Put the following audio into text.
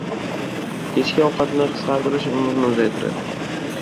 • Kechki ovqatni qisqatirish umrni uzaytiradi.